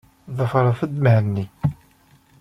Ḍḍfet-d Mhenni.